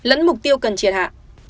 lẫn mục tiêu cần triệt hạ